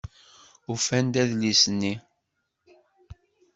Ufant-d adlis-nni.